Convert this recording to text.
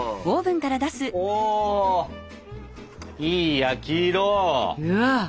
おおいい焼き色！